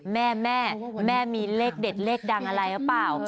แม่แม่มีเลขเด็ดเลขดังอะไรหรือเปล่า